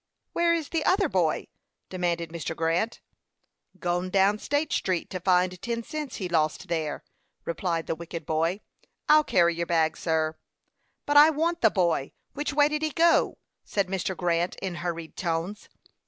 "Where is the other boy?" demanded Mr. Grant. "Gone down State Street to find ten cents he lost there," replied the wicked boy. "I'll carry your bag, sir." "But I want the boy! Which way did he go?" said Mr. Grant, in hurried tones.